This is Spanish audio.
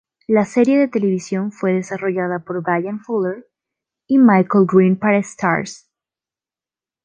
La serie de televisión fue desarrollada por Bryan Fuller y Michael Green para Starz.